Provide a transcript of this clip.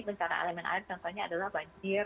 bencana elemen air contohnya adalah banjir